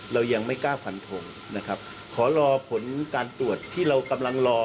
เรายังไม่กล้าฟันทงนะครับขอรอผลการตรวจที่เรากำลังรอ